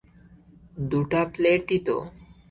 দুটা প্লেটই তো!